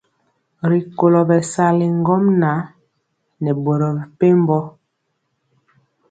Rikolo bɛsali ŋgomnaŋ nɛ boro mepempɔ.